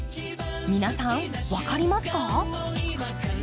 皆さん分かりますか？